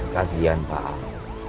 kasian pak al